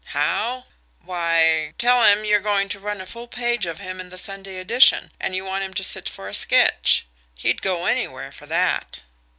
... How? ... Why er tell him you're going to run a full page of him in the Sunday edition, and you want him to sit for a sketch. He'd go anywhere for that.